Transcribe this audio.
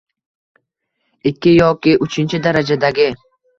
Ikki yo uchinchi darajadagi